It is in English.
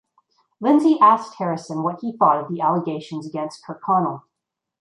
Lindsay asked Harrison what he thought of the allegations against Kirkconnell.